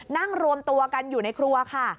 นั่งรวมตัวกันอยู่ในครัวค่ะ